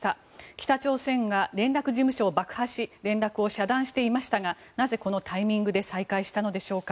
北朝鮮が連絡事務所を爆破し連絡を遮断していましたがなぜ、このタイミングで再開したのでしょうか。